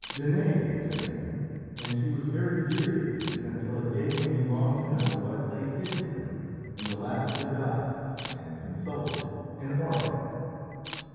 Danaë was her name, and she was very dear to the king until a day when he longed to know what lay hid for him in the lap of the gods, and consulted an oracle.